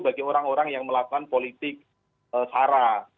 bagi orang orang yang melakukan politik sara